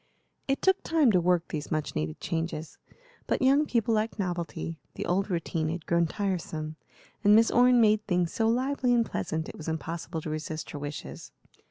It took time to work these much needed changes, but young people like novelty; the old routine had grown tiresome, and Miss Orne made things so lively and pleasant it was impossible to resist her wishes.